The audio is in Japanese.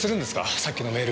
さっきのメール。